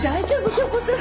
杏子さん。